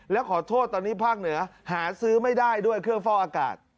แล้วขอโทษตอนนี้ภาคเหนือหาซื้อไม่ได้ด้วยเครื่องเฝ้าอากาศ